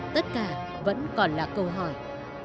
tất cả vẫn còn là câu hỏi